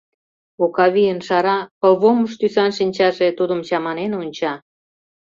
Окавийын шара, пылвомыш тӱсан шинчаже тудым чаманен онча.